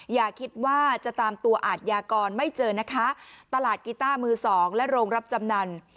อย่าคิดว่าจะตามตัวอาทยากรไม่เจอนะคะตลาดกีต้ามือสองและโรงรับจำนำ